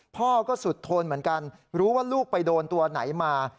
พ่อก็สุดทนเหมือนกันรู้ว่าลูกไปโดนตัวไหนมา